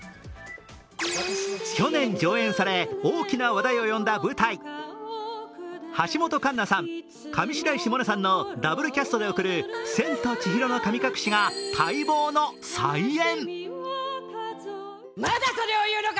去年上演され、大きな話題を呼んだ舞台、橋本環奈さん、上白石萌音さんのダブルキャストで送る「千と千尋の神隠し」が待望の再演。